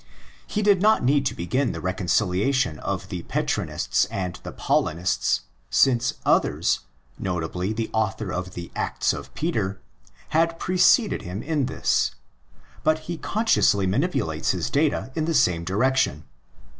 He did not need to begin the reconciliation of the Petrinists and the Paulinists, since others, notably the author of the Acts of Peter, had preceded him in this; but he consciously manipulates his data in the same direction.